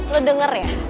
lo denger ya